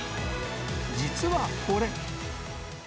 実はこれ。